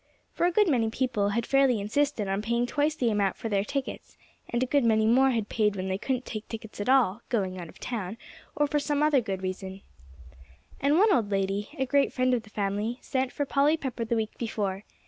For a good many people had fairly insisted on paying twice the amount for their tickets; and a good many more had paid when they couldn't take tickets at all, going out of town, or for some other good reason. And one old lady, a great friend of the family, sent for Polly Pepper the week before.